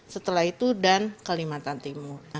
setelah itu dan kalimantan timur